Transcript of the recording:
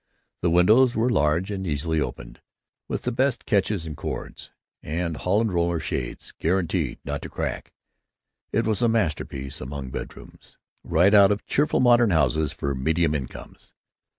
The windows were large and easily opened, with the best catches and cords, and Holland roller shades guaranteed not to crack. It was a masterpiece among bedrooms, right out of Cheerful Modern Houses for Medium Incomes.